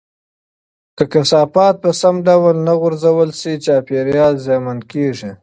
که کثافات په سم ډول نه غورځول شي، چاپیریال زیانمن کېږي.